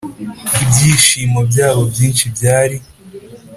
Ibyishimo Byabo Byinshi Byari